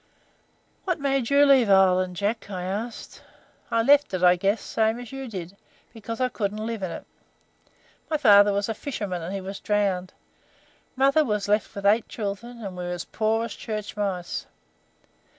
"What made you leave Ireland, Jack?" I asked. "I left it, I guess, same as you did, because I couldn't live in it. My father was a fisherman, and he was drowned. Mother was left with eight children, and we were as poor as church mice.